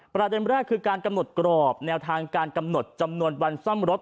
ประเด็นแรกคือการกำหนดกรอบแนวทางการกำหนดจำนวนวันซ่อมรถ